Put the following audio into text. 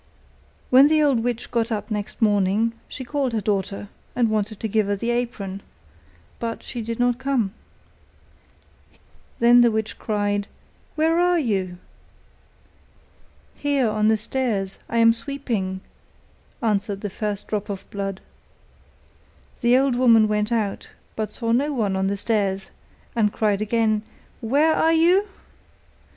When the old witch got up next morning, she called her daughter, and wanted to give her the apron, but she did not come. Then the witch cried: 'Where are you?' 'Here, on the stairs, I am sweeping,' answered the first drop of blood. The old woman went out, but saw no one on the stairs, and cried again: 'Where are you?